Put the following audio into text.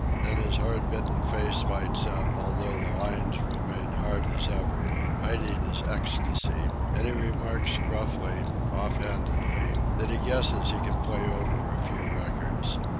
Then his hard bitten face lights up, although the lines remain hard as ever, hiding his ecstasy, and he remarks gruffly, off handedly, that he guesses he can play over a few records.